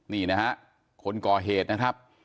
นี่นะฮะคนก่อเหตุนะครับ